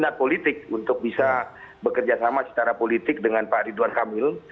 minat politik untuk bisa bekerja sama secara politik dengan pak ridwan kamil